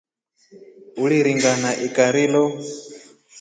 Uliringa na ikira lo.